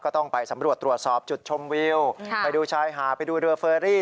ต้องไปสำรวจตรวจสอบจุดชมวิวไปดูชายหาดไปดูเรือเฟอรี่